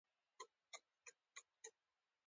بيا واپس پيوند نۀ شوه ۔